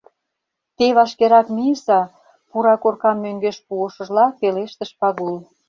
— Те вашкерак мийыза, — пура коркам мӧҥгеш пуышыжла, пелештыш Пагул.